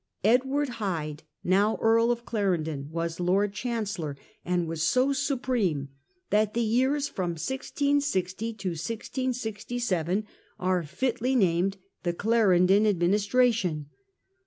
Edward Hyde, now Earl of Clarendon, was Lord Chan cellor, and was so supreme that the years from 1660 to 1667 are fitly named the ' Clarendon administration.